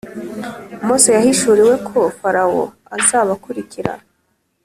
mose yahishuriwe ko farawo azabakurikira,